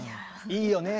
「いいよね。